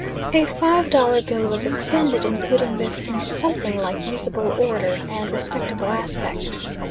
A five dollar bill was expended in putting this into something like usable order and respectable aspect.